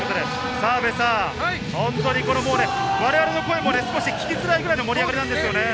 澤部さん、我々の声も少し聞きづらいくらいの盛り上がりなんですよね。